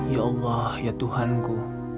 ya allah ya tuhanku